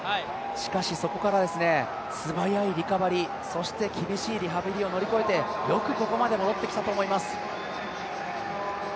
しかしそこから素早いリカバリーそして厳しいリハビリを乗り越えて、よくここまで戻ってきたと思います。